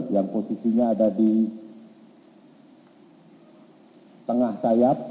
yang posisinya ada di tengah sayap